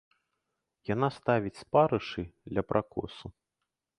Яна ставіць спарышы ля пракосу.